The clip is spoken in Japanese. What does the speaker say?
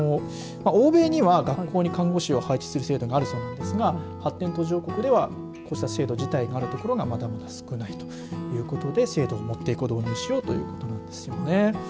欧米には、学校に看護師を配置する制度があるそうですが発展途上国ではこうした制度自体ある所が、まだまだ少ないということで制度を導入しようということです。